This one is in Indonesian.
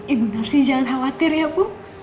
ibu tarsi jangan khawatir ya bu